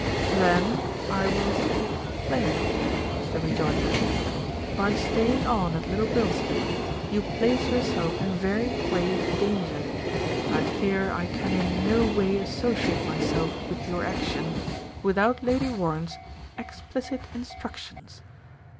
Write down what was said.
"Then I will speak plainly," was the rejoinder. "By staying on at Little Bilstead you place yourself in very grave danger. I fear I can in no way associate myself with your action without Lady Warren's explicit in structions.